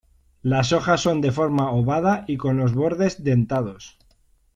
Las hojas son de forma ovada y con los bordes dentados.